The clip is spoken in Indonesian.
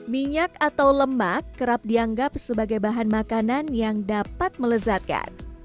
minyak atau lemak kerap dianggap sebagai bahan makanan yang dapat melezatkan